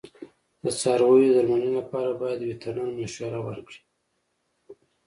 د څارویو د درملنې لپاره باید وترنر مشوره ورکړي.